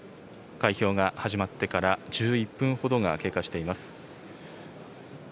開票が始まってから１１分ほどが経過しています。